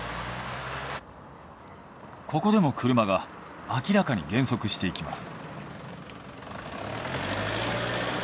ここでも車が明らかに減速していきます。